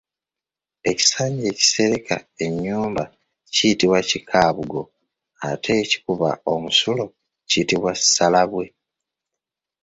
Ekisanja ekisereka ennyumba kiyitibwa Kikaabugo ate ekikuba omusulo kiyitibwa Ssalabwe.